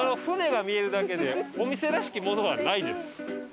船が見えるだけでお店らしきものはないです。